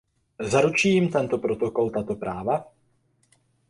Zaručí jim tento protokol tato práva?